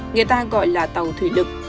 người ta gọi là tàu thủy lực